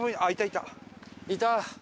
いた！